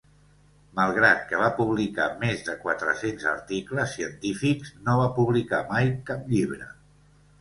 Malgrat que va publicar més de quatre-cents articles científics, no va publicar mai cap llibre.